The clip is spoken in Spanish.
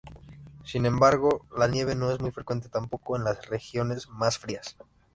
Sin embargo, la nieve no es muy frecuente, tampoco en las regiones mas frías.